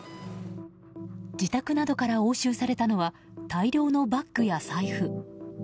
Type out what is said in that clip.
自宅などから押収されたのは大量のバッグや財布。